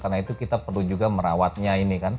karena itu kita perlu juga merawatnya ini kan